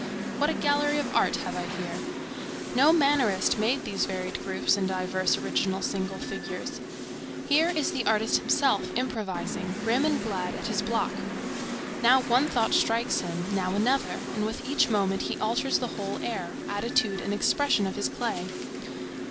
What a gallery of art have I here! No mannerist made these varied groups and diverse original single figures. Here is the artist himself improvising, grim and glad, at his block. Now one thought strikes him, now another, and with each moment he alters the whole air, attitude and expression of his clay.